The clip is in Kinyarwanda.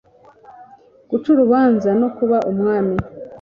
Guca urubanza no kuba umwami